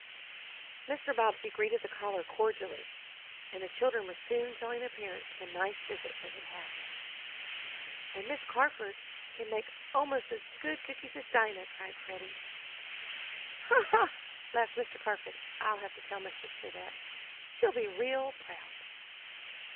Mr. Bobbsey greeted the caller cordially, and the children were soon telling their parents of the nice visit they had had. "And Miss Carford can make almost as good cookies as Dinah!" cried Freddie. "Ha! Ha!" laughed Mr. Carford. "I'll have to tell my sister that. She'll be real proud."